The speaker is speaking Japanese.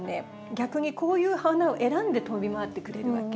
逆にこういう花を選んで飛び回ってくれるわけ。